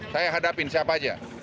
saya hadapin siapa aja